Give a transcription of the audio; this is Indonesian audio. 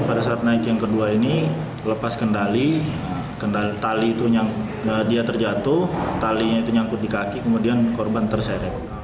pada saat naik yang kedua ini lepas kendali tali itu dia terjatuh talinya itu nyangkut di kaki kemudian korban terseret